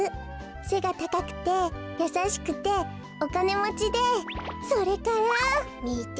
せがたかくてやさしくておかねもちでそれから。みて。